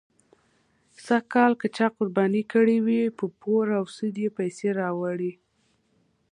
سږکال که چا قرباني کړې وي، په پور او سود یې پیسې راوړې.